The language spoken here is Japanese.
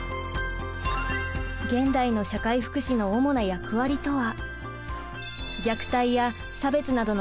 現代の社会福祉の主な役割とは？